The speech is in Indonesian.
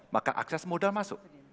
maka akses modal masuk